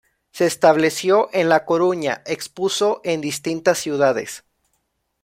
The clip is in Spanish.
Se estableció en La Coruña, expuso en distintas ciudades.